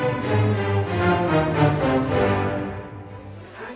はい。